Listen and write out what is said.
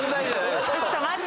ちょっと待って。